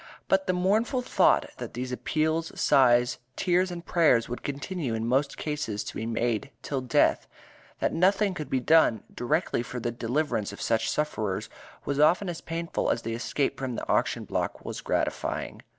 But the mournful thought that these appeals, sighs, tears and prayers would continue in most cases to be made till death, that nothing could be done directly for the deliverance of such sufferers was often as painful as the escape from the auction block was gratifying.